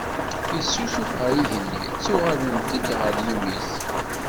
Yessusuf ɣer yigenni ttuɣalent-d ɣer yimi-s